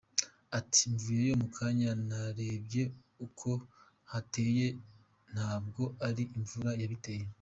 Ati “Mvuyeyo mukanya narebye uko hateye ntabwo ari imvura yabiteye.